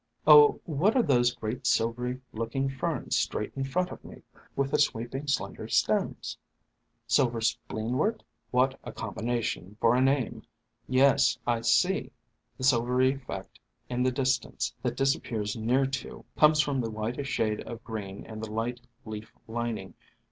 "Oh, what are those great, silvery looking Ferns straight in front of me, with the sweeping, slender stems? Silver Spleenwort? What a com bination for a name! Yes, I see. . The silvery effect in the distance that disappears near to, comes from the whit ish shade of green and the light leaf lining.